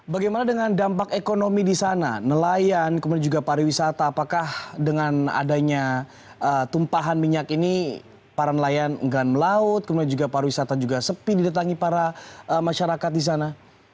bagaimana dengan dampak ekonomi di sana nelayan kemudian juga pariwisata apakah dengan adanya tumpahan minyak ini para nelayan enggak melaut kemudian juga pariwisata juga sepi didatangi para masyarakat di sana